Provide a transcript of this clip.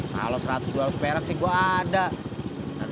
kalau seratus dua ratus perak sih gue ada